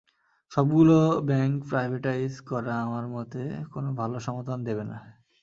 সবগুলো bank privatise করা আমার মতে কোনো ভালো সমাধান দেবে না।